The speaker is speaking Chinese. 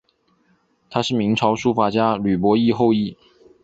她是明朝书法家吕伯懿后裔。